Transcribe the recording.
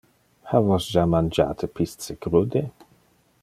Ha vos ja mangiate pisce crude?